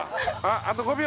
あと５秒。